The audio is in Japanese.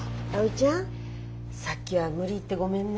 さっきは無理言ってごめんね。